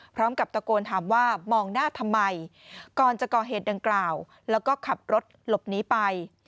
พร้อมกับตะโกนถามว่ามองหน้าทำไมก่อนจะก่อเหตุดังกล่าวแล้วก็ขับรถหลบหนีไป